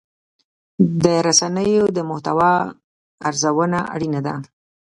د رسنیو د محتوا ارزونه اړینه ده.